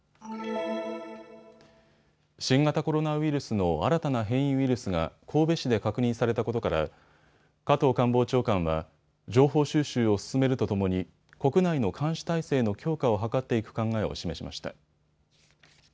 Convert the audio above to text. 新型コロナウイルスの新たな変異ウイルスが神戸市で確認されたことから加藤官房長官は情報収集を進めるとともに国内の監視体制の強化を図っていく考えを示しました。